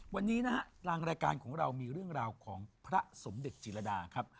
วันนี้นะฮะทางรายการของเรามีเรื่องราวของพระสมเด็จจิรดาครับ